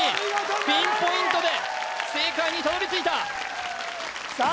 ピンポイントで正解にたどり着いたさあ